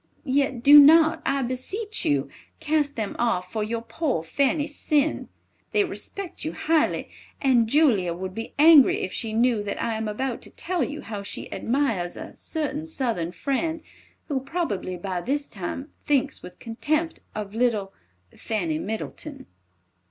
Yet do not, I beseech you, cast them off for your poor Fanny's sin. They respect you highly, and Julia would be angry if she knew that I am about to tell you how she admires a certain Southern friend, who probably, by this time, thinks with contempt of little "FANNY MIDDLETON."